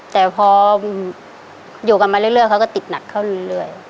แต่พออยู่กันมาเรื่อยเขาก็ติดหนักเข้าเรื่อย